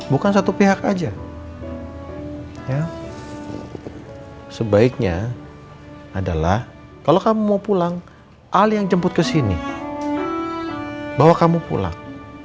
bukan satu pihak aja ya sebaiknya adalah kalau kamu mau pulang ali yang jemput ke sini bawa kamu pulang